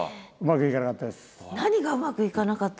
うまくいかなかった？